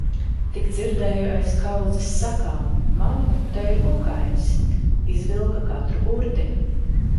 Tik dzirdēju aiz kaudzes sakām: "Mammu, te ir kukainis." Izvilka katru burtiņu.